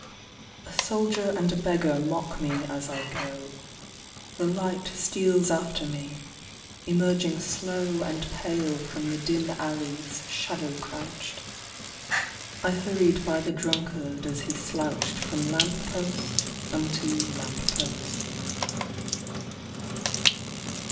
— A soldier and a beggar mock me as I go, The light steals after me, emerging slow And pale from the dim alleys shadow crouched. I hurried by the drunkard as he slouched From lamp post unto lamp post.